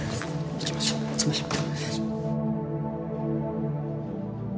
行きましょう行きましょう。